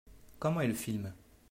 Comment est le film ?